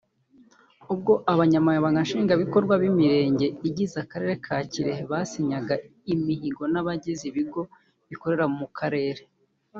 ubwo Abanyamabanga Nshingwabikorwa b’Imirenge igize Akarere ka Kirehe basinyanaga imihigo n’abagize ibigo bikorera mu Karere